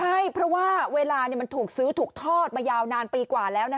ใช่เพราะว่าเวลามันถูกซื้อถูกทอดมายาวนานปีกว่าแล้ว